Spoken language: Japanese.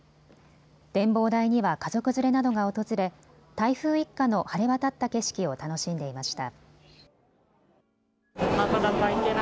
展望台には家族連れなどが訪れ台風一過の晴れ渡った景色を楽しんでいました。